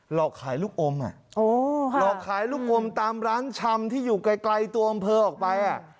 หลอกขายลูกอมหลอกขายลูกอมตามร้านชำที่อยู่ไกลตัวอำเภอออกไป